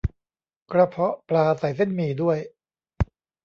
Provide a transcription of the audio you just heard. กระเพาะปลาใส่เส้นหมี่ด้วย